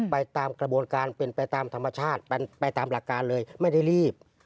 ไปตามกระบวนการเป็นไปตามธรรมชาติไปตามหลักการเลยไม่ได้รีบ